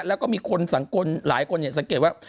แล้วก็มีคนสังคมหลายคนสังเกตว่า